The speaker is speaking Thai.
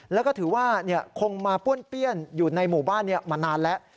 แล้วก็ถือว่าคงมาป้วนเปี้ยนอยู่ในหมู่บ้านมานานแล้ว